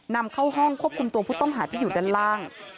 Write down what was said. นำเข้าห้องควบคุมตัวผู้ต้องหาที่อยู่ด้านล่าง